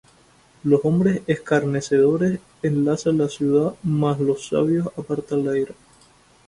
Los hombres escarnecedores enlazan la ciudad: Mas los sabios apartan la ira.